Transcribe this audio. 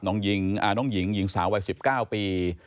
น้องหญิงน้องหญิงหญิงสาววัย๑๙ปี